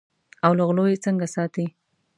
او له غلو یې څنګه ساتې.